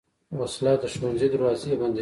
وسله د ښوونځي دروازې بندوي